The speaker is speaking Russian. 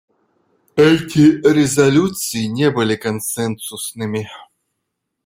Эти резолюции не были консенсусными.